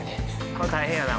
これ大変やな